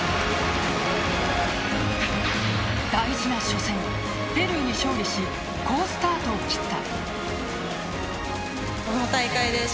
大事な初戦、ペルーに勝利し好スタートを切った。